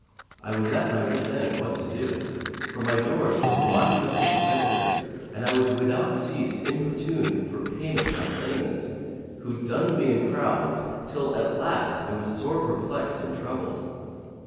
I was at my wits' end what to do, for my doors were blocking up with creditors and I was without cease importuned for payment by claimants, who dunned me in crowds till at last I was sore perplexed and troubled.